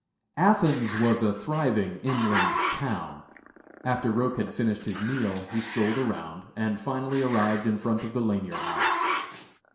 Athens was a thriving inland town. After Roch had finished his meal he strolled around, and finally arrived in front of the Lanier House.